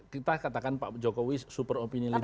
kita katakan pak jokowi super opini leader ya